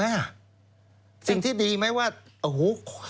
ดีไหมครับสิ่งที่ดีไหมว่าโอ้โฮ